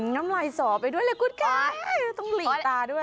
น้ำลายสอไปด้วยเลยคุณค่ะต้องหลีกตาด้วย